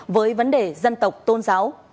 với vấn đề dân tộc tôn giáo